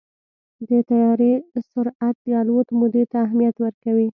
د طیارې سرعت د الوت مودې ته اهمیت ورکوي.